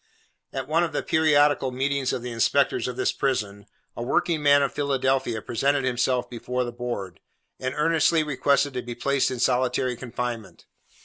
At one of the periodical meetings of the inspectors of this prison, a working man of Philadelphia presented himself before the Board, and earnestly requested to be placed in solitary confinement.